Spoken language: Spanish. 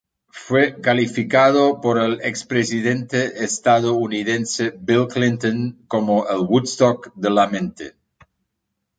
Fue calificado por el expresidente estadounidense Bill Clinton como el Woodstock de la mente.